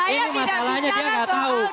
ini masalahnya dia nggak tahu